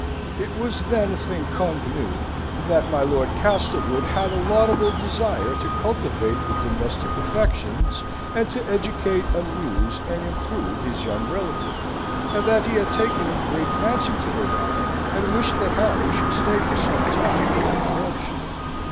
It was then a thing convenue, that my Lord Castlewood had a laudable desire to cultivate the domestic affections, and to educate, amuse, and improve his young relative; and that he had taken a great fancy to the lad, and wished that Harry should stay for some time near his lordship.